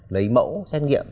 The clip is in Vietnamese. lấy mẫu xét nghiệm